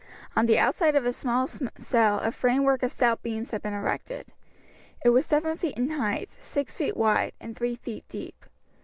On the outside of a small cell a framework of stout beams had been erected. It was seven feet in height, six feet wide, and three feet deep.